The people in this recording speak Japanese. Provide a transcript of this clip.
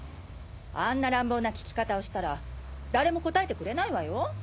あんな乱暴な聞き方をしたら誰も答えてくれないわよ。